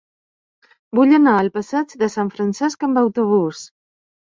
Vull anar al passeig de Sant Francesc amb autobús.